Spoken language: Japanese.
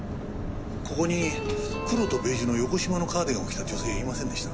ここに黒とベージュの横縞のカーディガンを着た女性いませんでした？